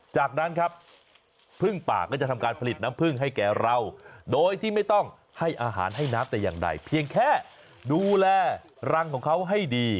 จากนั้นครับพึ่งป่าก็จะทำการผลิตน้ำพึ่งให้แก่เราโดยที่ไม่ต้องให้อาหารให้น้ำแต่อย่างใดเพียงแค่ดูแลรังของเขาให้ดี